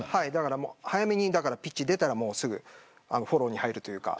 早めにピッチを出たらすぐフォローに入るというか。